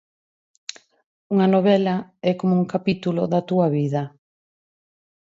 Unha novela é como un capítulo da túa vida.